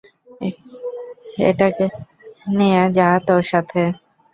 এটাকে নিয়ে যা তোর সাথে!